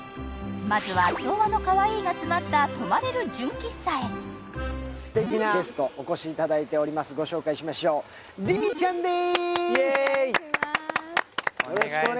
まずは昭和のカワイイが詰まった泊まれる純喫茶へすてきなゲストお越しいただいておりますご紹介しましょう凛美ちゃんでーすお願いします